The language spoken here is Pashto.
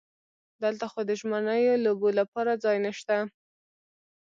دلته خو د ژمنیو لوبو لپاره ځای نشته.